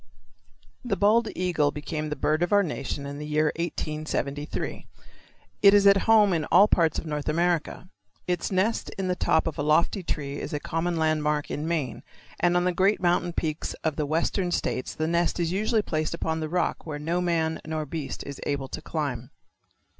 _ The bald eagle became the bird of our nation in the year 1873. It is at home in all parts of North America. Its nest in the top of a lofty tree is a common landmark in Maine, and on the great mountain peaks of the western states the nest is usually placed upon the rock where no man nor beast is able to climb.